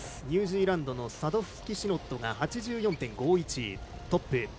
ニュージーランドのサドフスキシノットが８４．５１でトップ。